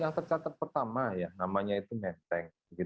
yang tercatat pertama ya namanya itu menteng